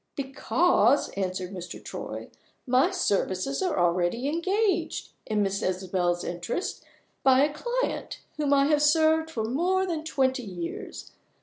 "Because," answered Mr. Troy, "my services are already engaged, in Miss Isabel's interest, by a client whom I have served for more than twenty years.